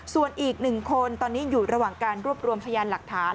ส่วนอีก๑คนตอนนี้อยู่ระหว่างการรวบรวมพยานหลักฐาน